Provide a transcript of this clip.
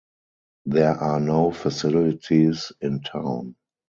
There are no facilities in town.